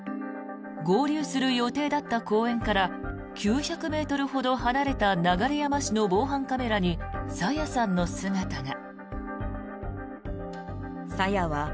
合流する予定だった公園から９００ｍほど離れた流山市の防犯カメラに朝芽さんの姿が。